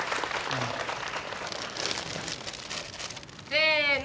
せの！